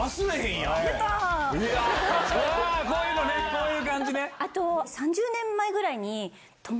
こういう感じね！